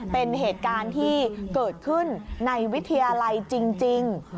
เป็นเหตุการณ์ที่เกิดขึ้นในวิทยาลัยจริง